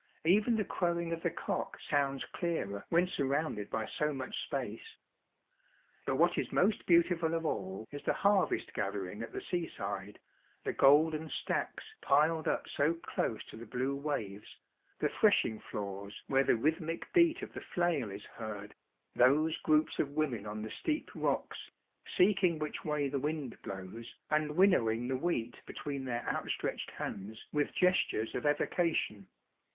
Even the crowing of the cock sounds clearer when sur rounded by so much space. But what is most beautiful of all is the harvest gathering at the sea side, the golden stacks piled up so close to the blue waves, the threshing floors where the rhyth mic beat of the flail is heard, those groups of women on the steep rocks, seeking which way the wind blows, and winnowing the wheat between their outstretched hands with gestures of evoca tion.